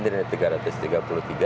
dari tiga ratus tiga puluh tiga